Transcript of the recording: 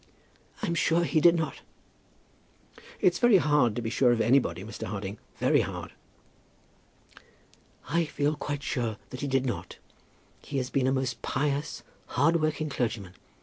"I'm sure he did not." "It's very hard to be sure of anybody, Mr. Harding; very hard." "I feel quite sure that he did not. He has been a most pious, hard working clergyman.